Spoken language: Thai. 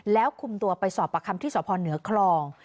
แล้วคุมตัวไปสอบประคัมที่สพเหนือคลอง